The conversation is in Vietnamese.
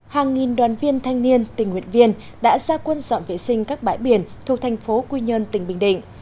hàng nghìn đoàn viên thanh niên tình nguyện viên đã ra quân dọn vệ sinh các bãi biển thuộc thành phố quy nhơn tỉnh bình định